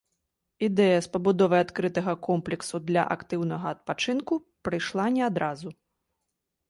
Ідэя з пабудовай адкрытага комплексу для актыўнага адпачынку прыйшла не адразу.